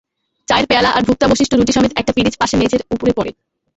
চায়ের পেয়ালা আর ভুক্তাবশিষ্ট রুটি সমেত একটা পিরিচ পাশে মেজের উপরে পড়ে।